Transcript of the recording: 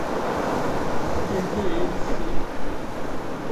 Que perdia ele, se...